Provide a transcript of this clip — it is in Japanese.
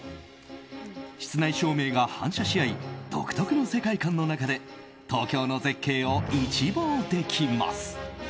室内照明が反射し合い独特の世界観の中で東京の絶景を一望できます。